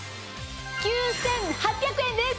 ９８００円です！